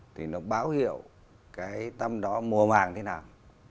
thì nó báo hiệu cái tâm đó mùa màng thế nào